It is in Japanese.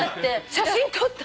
写真撮った？